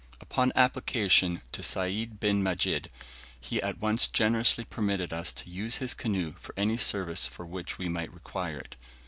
Upon application to Sayd bin Majid, he at once generously permitted us to use his canoe for any service for which we might require it.